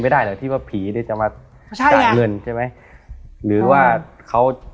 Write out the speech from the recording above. ไม่ได้แหละที่ว่าผีจะมาใช่ใช่ไหมหรือว่าเขา